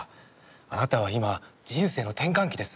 あなたは今人生の転換期です。